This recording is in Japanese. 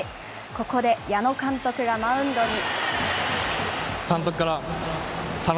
ここで矢野監督がマウンドに。